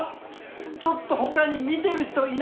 ちょっと他に見てる人いないかなー？